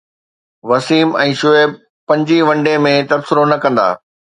وسيم ۽ شعيب پنجين one day ۾ تبصرو نه ڪندا